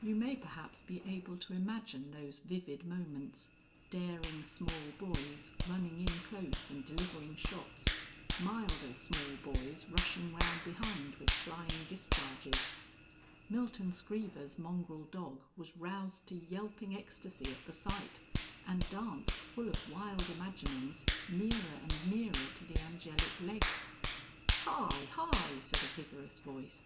You may perhaps be able to imagine those vivid moments, daring small boys running in close and delivering shots, milder small boys rushing round behind with flying discharges. Milton Screever's mongrel dog was roused to yelping ecstacy at the sight, and danced (full of wild imaginings) nearer and nearer to the angelic legs. "Hi, hi!" said a vigorous voice.